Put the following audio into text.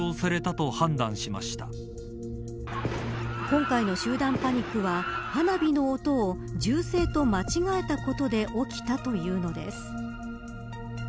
今回の集団パニックは花火の音を銃声と間違えたことで起きたというのです。